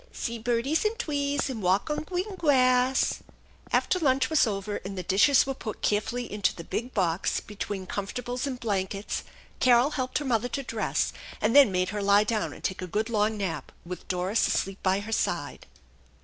See birdies an' twees and walk on gween gwass !" After lunch was over and the dishes were put carefully into the big box between comfortables and blankets Carol helped her mother to dress, and then made her lie down and take a good long nap, with Doris asleep by her side.